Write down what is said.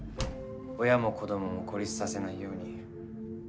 親も子どもも孤立させないように。